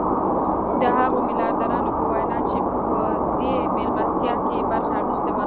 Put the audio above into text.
د هغو ميلياردرانو په وينا چې په دې مېلمستيا کې يې برخه اخيستې وه.